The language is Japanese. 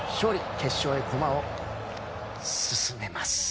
決勝へ駒を進めます。